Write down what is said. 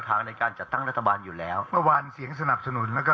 ทางในการจัดตั้งรัฐบาลอยู่แล้วเมื่อวานเสียงสนับสนุนแล้วก็